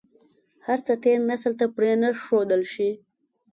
هر څه تېر نسل ته پرې نه ښودل شي.